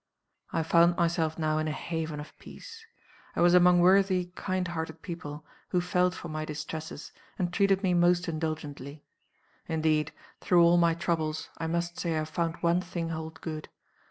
"I found myself now in a haven of peace. I was among worthy kind hearted people, who felt for my distresses, and treated me most indulgently. Indeed, through all my troubles, I must say I have found one thing hold good.